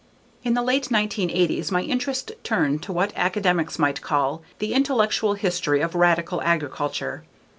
In the late 1980s my interest turned to what academics might call 'the intellectual history of radical agriculture.'